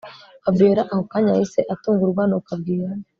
Fabiora ako kanya yahise atungurwa nuko abwira